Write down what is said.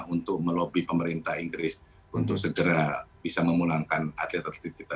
untuk melobi pemerintah inggris untuk segera bisa memulangkan atlet atlet kita